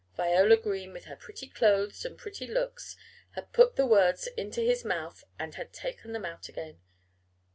Viola Green with her pretty clothes and pretty looks had "put the words into his mouth and had taken them out again!"